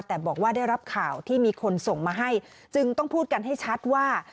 แต่บอกว่าได้รับข่าวที่มีคนส่งมาให้จึงต้องพูดกันให้ชัดว่า